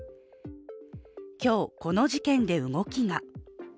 今日、この事件で動きが。